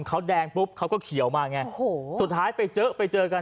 เขาแดงปุ๊บเขาก็เขียวมาไงโอ้โหสุดท้ายไปเจอไปเจอกัน